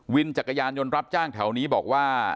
วินจักรยานยนต์รับจ้างแถวนี้บอกว่า